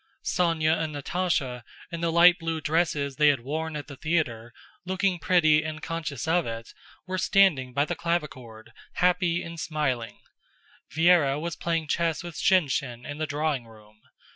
Sónya and Natásha, in the light blue dresses they had worn at the theater, looking pretty and conscious of it, were standing by the clavichord, happy and smiling. Véra was playing chess with Shinshín in the drawing room.